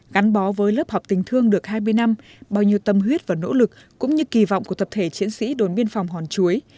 gắn bó với lớp học tình thương được hai mươi năm bao nhiêu tâm huyết và nỗ lực cũng như kỳ vọng của tập thể chiến sĩ đồn biên phòng hòn chuối